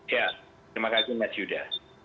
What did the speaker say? ya terima kasih mas yuda